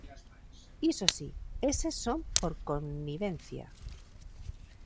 Iso si, eses son por conivencia.